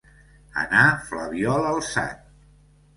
Anar flabiol alçat.